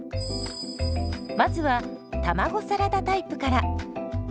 まずは卵サラダタイプから。